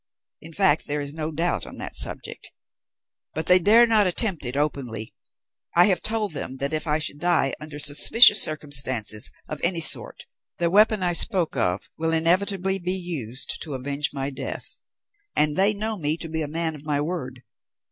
In fact, there is no doubt on that subject. But they dare not attempt it openly. I have told them that if I should die under suspicious circumstances of any sort, the weapon I spoke of will inevitably be used to avenge my death, and they know me to be a man of my word.